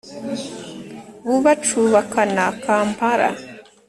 bubacubakana kampala,